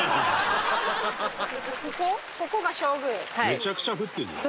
「めちゃくちゃ降ってるじゃん」